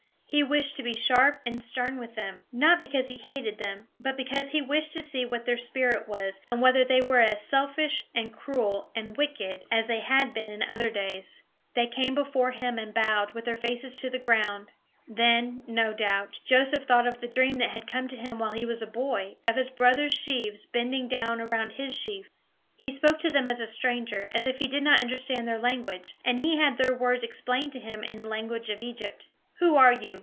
He wished to be sharp and stern with them, not because he hated them; but because he wished to see what their spirit was, and whether they were as selfish, and cruel, and wicked as they had been in other days. They came before him, and bowed, with their faces to the ground. Then, no doubt, Joseph thought of the dream that had come to him while he was a boy, of his brothers' sheaves bending down around his sheaf. He spoke to them as a stranger, as if he did not understand their language, and he had their words explained to him in the language of Egypt. "Who are you?